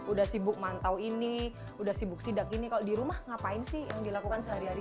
udah sibuk mantau ini udah sibuk sidak ini kalau di rumah ngapain sih yang dilakukan sehari hari